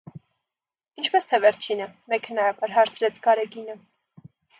- Ինչպե՞ս թե վերջինը, մեքենայաբար հարցրեց Գարեգինը: